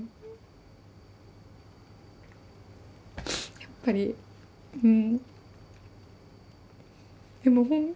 やっぱりうん。